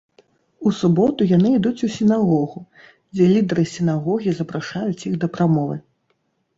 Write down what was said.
У суботу яны ідуць у сінагогу, дзе лідары сінагогі запрашаюць іх да прамовы.